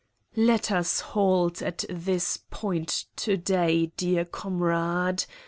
Let us halt at this point to day, dear comrade.